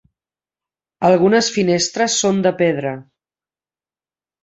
Algunes finestres són de pedra.